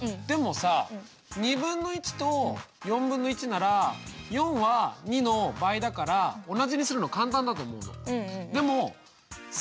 でもさとなら４は２の倍だから同じにするの簡単だと思うの。